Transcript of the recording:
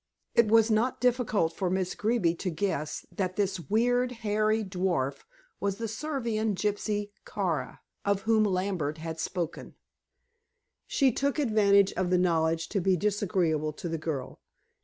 It was not difficult for Miss Greeby to guess that this weird, hairy dwarf was the Servian gypsy Kara, of whom Lambert had spoken. She took advantage of the knowledge to be disagreeable to the girl.